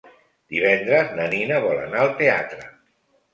Divendres na Nina vol anar al teatre.